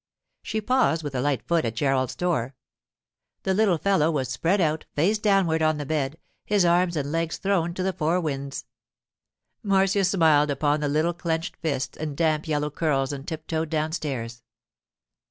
She paused with a light foot at Gerald's door. The little fellow was spread out, face downward, on the bed, his arms and legs thrown to the four winds. Marcia smiled upon the little clenched fists and damp yellow curls and tiptoed downstairs.